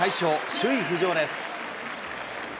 首位浮上です。